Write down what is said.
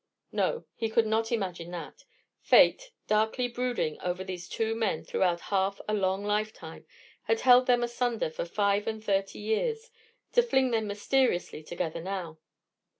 No, he could not imagine that! Fate, darkly brooding over these two men throughout half a long lifetime, had held them asunder for five and thirty years, to fling them mysteriously together now.